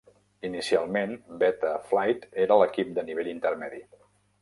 Inicialment, Beta Flight era l'equip de nivell intermedi.